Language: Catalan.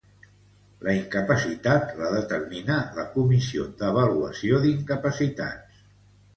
La incapacitat la determina la Comissió d'Avaluació d'Incapacitats.